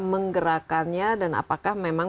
menggerakannya dan apakah memang